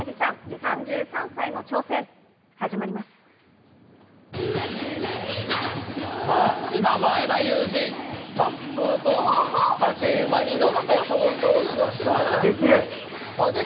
３３歳の挑戦、今、前田祐二、さっそうと竹馬に乗って登場しました。